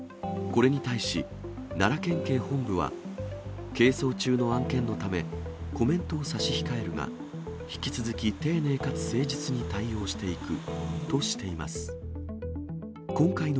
これに対し、奈良県警本部は、係争中の案件のため、コメントを差し控えるが、引き続き、丁寧かつ誠実に対応していくとしています。